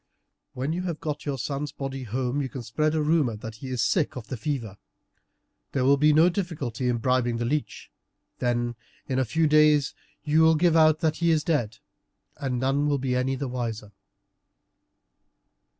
When you have got your son's body home you can spread a rumour that he is sick of the fever. There will be no difficulty in bribing the leech. Then in a few days you will give out that he is dead, and none will be any the wiser."